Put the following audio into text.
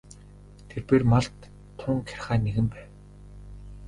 Тэрбээр малд тун гярхай нэгэн байв.